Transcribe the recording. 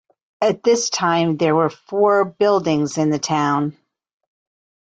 At this time there were four buildings in the town.